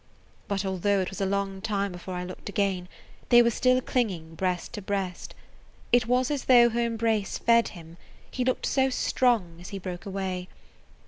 But although it was a long time before I looked again, they were still clinging breast to breast. It was as though her embrace fed him, he looked so strong as he broke away.